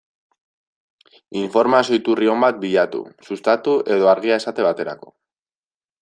Informazio iturri on bat bilatu, Sustatu edo Argia esate baterako.